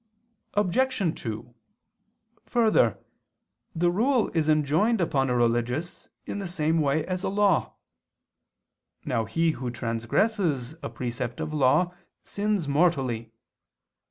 Obj. 2: Further, the rule is enjoined upon a religious in the same way as a law. Now he who transgresses a precept of law sins mortally.